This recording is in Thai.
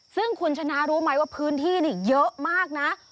ซึ่งคุณชนะรู้ไหมว่าพื้นที่นี่เยอะมากนะ